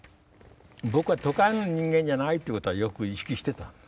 僕は都会の人間じゃないっていうことはよく意識してた。